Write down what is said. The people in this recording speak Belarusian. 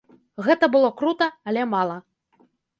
Гэта было крута, але мала.